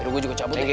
gue juga cabut dulu